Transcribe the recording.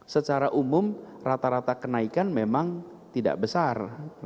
secara umum rata rata kenaikan memang tidak besar